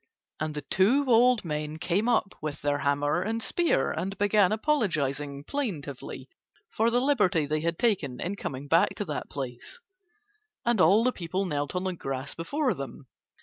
And the two old men came up with their hammer and spear and began apologizing plaintively for the liberty they had taken in coming back to that place, and all the people knelt on the grass before them.